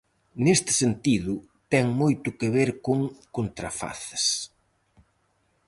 Neste sentido, ten moito que ver con Contrafaces.